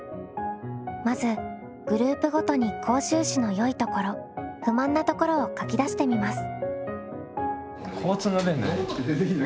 まずグループごとに甲州市のよいところ不満なところを書き出してみます。